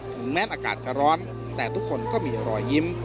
แม้อากาศจะร้อนแต่ทุกคนก็มีรอยยิ้ม